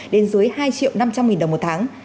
đến dưới hai triệu năm trăm linh nghìn đồng một tháng